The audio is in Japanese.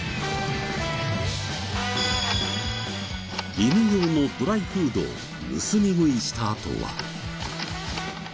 犬用のドライフードを盗み食いしたあとは。